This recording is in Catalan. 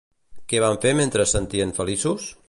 Què van fer mentre es sentien feliços?